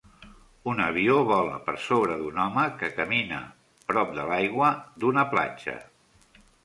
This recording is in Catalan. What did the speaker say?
Un avió vola per sobre d'un home que camina prop de l'aigua d'una platja.